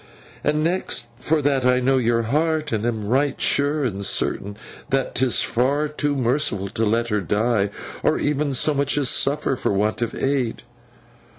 'And next, for that I know your heart, and am right sure and certain that 'tis far too merciful to let her die, or even so much as suffer, for want of aid.